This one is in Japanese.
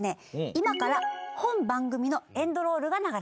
今から本番組のエンドロールが流れます。